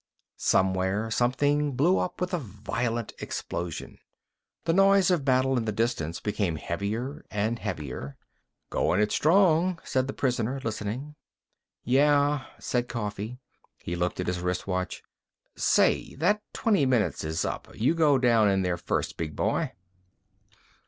Somewhere, something blew up with a violent explosion. The noise of battle in the distance became heavier and heavier. "Goin' it strong," said the prisoner, listening. "Yeh," said Coffee. He looked at his wrist watch. "Say, that twenty minutes is up. You go down in there first, big boy."